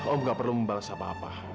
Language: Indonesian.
oh gak perlu membalas apa apa